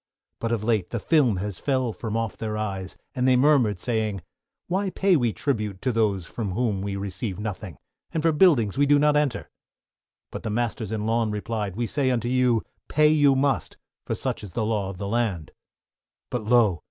But of late, the film has fell from off their eyes, and they murmured saying, why pay we tribute to those from whom we receive nothing, and for buildings we do not enter? But the masters in lawn, replied, we say unto you, pay you must, for such is the law of the land. But lo!